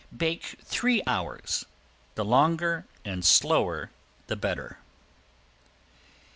Bake three hours the longer and slower the better.